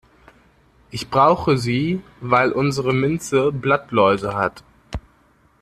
Ich brauche sie, weil unsere Minze Blattläuse hat.